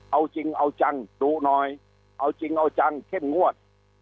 เอาจริงเอาจังดุหน่อยเอาจริงเอาจังเข้มงวด